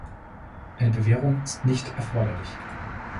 Eine Bewehrung ist nicht erforderlich.